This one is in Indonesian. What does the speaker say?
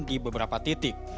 di beberapa titik